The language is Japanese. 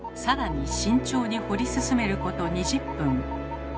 更に慎重に掘り進めること２０分。